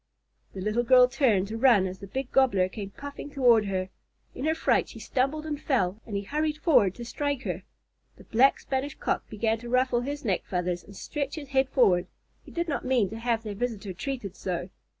The little girl turned to run as the big Gobbler came puffing toward her. In her fright she stumbled and fell, and he hurried forward to strike her. The Black Spanish Cock began to ruffle his neck feathers and stretch his head forward. He did not mean to have their visitor treated so.